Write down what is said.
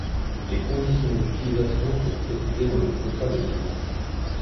Les conditions d’utilisation sont précisées dans le contrat de licence.